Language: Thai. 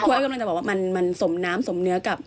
กำลังจะบอกว่ามันสมน้ำสมเนื้อกับ